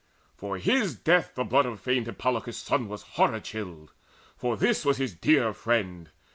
For his death the blood Of famed Hippolochus' son was horror chilled; For this was his dear friend.